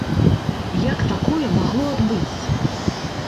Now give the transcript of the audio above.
Як такое магло адбыцца?